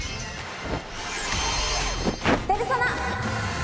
ペルソナ！